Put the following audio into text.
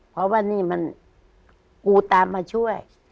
เพราะว่านี่มันกูตามมาช่วย